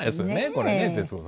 これね徹子さん。